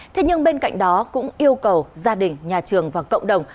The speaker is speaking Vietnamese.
thế nhưng bên cạnh đó cũng yêu cầu gia đình nhà trường và cộng đồng